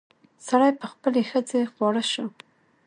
سړي په خپلې ښځې خواړه شو.